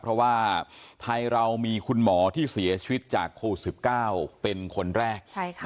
เพราะว่าไทยเรามีคุณหมอที่เสียชีวิตจากโควิด๑๙เป็นคนแรก